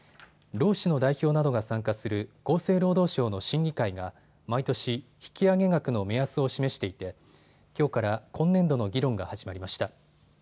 労使の代表などが参加する厚生労働省の審議会が毎年、引き上げ額の目安を示していてきょうから今年度の議論が始まりました。